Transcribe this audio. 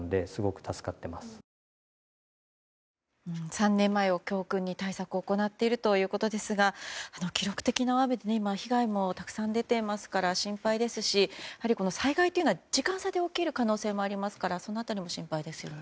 ３年前を教訓に、対策を行っているということですが記録的な雨で被害もたくさん出ていますから心配ですし、災害というのは時間差で起きる可能性もありますからその辺りも心配ですよね。